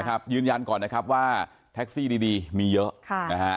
ยืนยันก่อนนะครับว่าแท็กซี่ดีมีเยอะค่ะนะฮะ